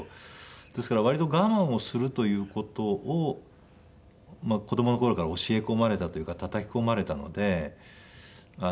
ですから割と我慢をするという事を子供の頃から教え込まれたというかたたき込まれたので。